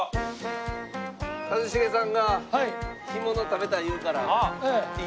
一茂さんが干物食べたい言うから行きましょう。